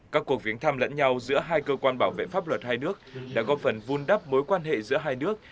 các cuộc viếng thăm lẫn nhau giữa hai cơ quan bảo vệ pháp luật hai nước đã góp phần vun đắp mối quan hệ giữa hai nước